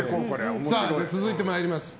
続いて参ります。